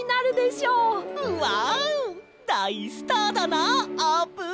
うわだいスターだなあーぷん！